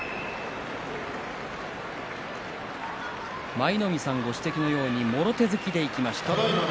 舞の海さんご指摘のようにもろ手突きでいきました。